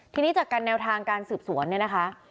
ทีนี้จากการแนวทางการสืบสวนเนี่ยนะคะ